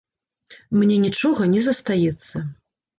Мне нічога не застаецца.